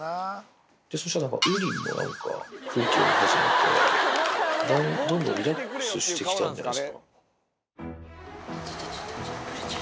そしたら、なんかウリも、なんか空気読み始めて、どんどんリラックスしてきたんじゃないですか。